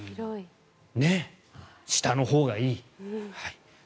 ね、下のほうがいい。